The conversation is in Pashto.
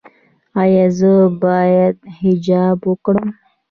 ایا زه باید حجاب وکړم؟